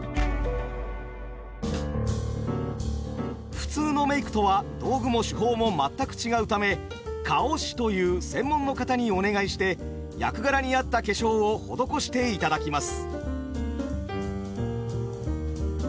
普通のメークとは道具も手法も全く違うため「顔師」という専門の方にお願いして役柄に合った化粧を施していただきます。